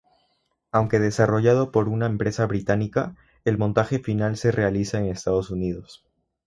Aunque desarrollado por una empresa británica, el montaje final se realiza en Estados Unidos.